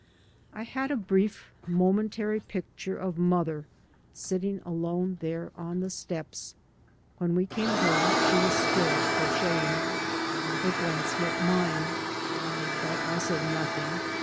I had a brief momentary picture of mother sitting alone there on the steps. When we came home, she was still crocheting. Her ^ance met mine. But I said nothing.